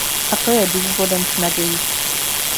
A to je důvodem k naději.